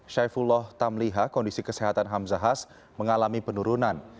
syaifullah tamliha kondisi kesehatan hamzahas mengalami penurunan